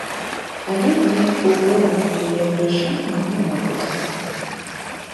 Але неяк паўплываць на яе вырашэнне не могуць.